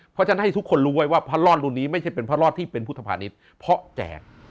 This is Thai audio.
เพราะฉะนั้นให้ทุกคนรู้ไว้ว่าพระรอดรุ่นนี้ไม่ใช่เป็นพระรอดที่เป็นพุทธภานิษฐ์เพราะแจก